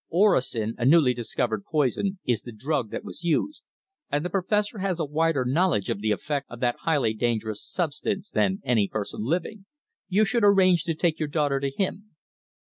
Orosin, a newly discovered poison, is the drug that was used, and the Professor has a wider knowledge of the effect of that highly dangerous substance than any person living. You should arrange to take your daughter to him."